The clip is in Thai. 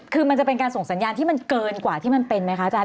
คือมันจะเป็นการส่งสัญญาณที่มันเกินกว่าที่มันเป็นไหมคะอาจารย